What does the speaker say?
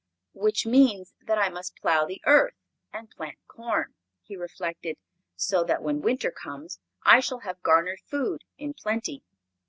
"Which means that I must plow the earth and plant corn," he reflected; "so that when winter comes I shall have garnered food in plenty."